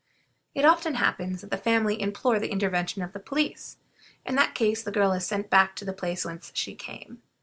It often happens that the family implore the intervention of the police; in that case the girl is sent back to the place whence she came.